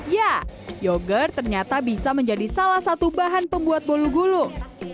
ya yogurt ternyata bisa menjadi salah satu bahan pembuat bolu gulung